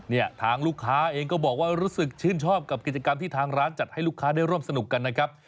เนี่ยทางลูกค้าเองก็บอกว่ารู้สึกชื่นชอบกับกิจกรรมที่ทางร้านจัดให้ลูกค้าได้ร่วมสนุกกันนะครับ